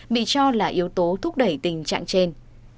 bị cho là yếu tố thúc đẩy tình trạng trên